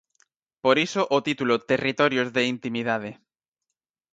Por iso o título Territorios de intimidade.